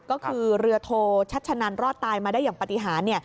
ก็คือเรือโทชัชนันรอดตายมาได้อย่างปฏิหาร